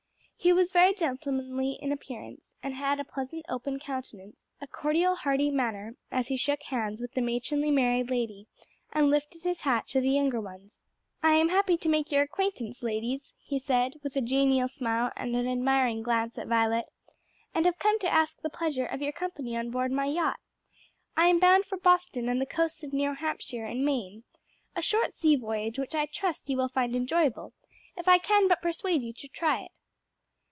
He was very gentlemanly in appearance, and had a pleasant, open countenance, a cordial, hearty manner as he shook hands with the matronly married lady and lifted his hat to the younger ones. "I am happy to make your acquaintance, ladies," he said, with a genial smile and an admiring glance at Violet, "and have come to ask the pleasure of your company on board my yacht. I am bound for Boston and the coasts of New Hampshire and Maine a short sea voyage which I trust you will find enjoyable if I can but persuade you to try it."